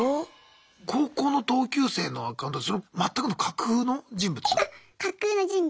高校の同級生のアカウントそれまったくの架空の人物？